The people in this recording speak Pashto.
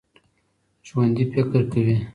ژوندي فکر کوي